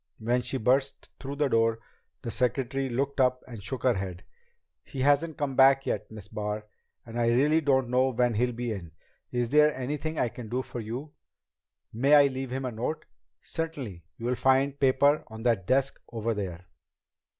When she burst through the door, the secretary looked up and shook her head. "He hasn't come back yet, Miss Barr. And I really don't know when he'll be in. Is there anything I can do for you?" "May I leave him a note?" "Certainly. You'll find paper on that desk over there."